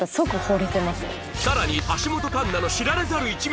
さらに橋本環奈の知られざる一面が